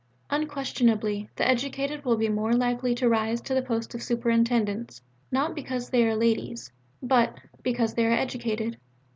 Unquestionably, the educated will be more likely to rise to the post of Superintendents, not because they are ladies, but because they are educated.